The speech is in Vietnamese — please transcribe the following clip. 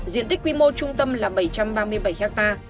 diện tích quy mô trung tâm là bảy trăm ba mươi bảy ha